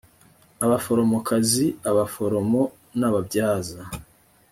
abaforomokazi abaforomo n ababyaza